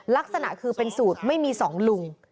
ลักษณะคือเป็นสูตรไม่มีสองลุง